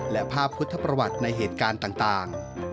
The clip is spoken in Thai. และภาพพุทธประวัติในเหตุการณ์ต่าง